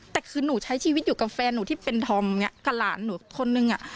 แต่คือหนูใช้ชีวิตอยู่กับแฟนหนูที่ท้องกับหลานหนูคนนึง